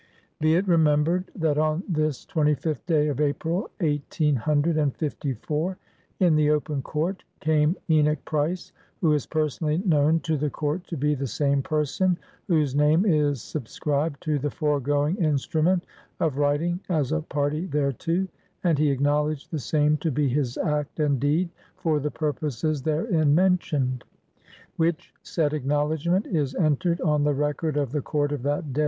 "Be it remembered, that on this 25th day of April, eighteen hundred and fifty four, in the open Court, came Enoch Price, who is personally known to the Court to be the same person whose name is subscribed to the foregoing instrument of writing as a party thereto, and he acknowledged the same to be his act and deed, for the purposes therein mentioned ;— which said acknowledgment is entered on the record of the Court of that day.